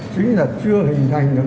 chính là chưa hình thành được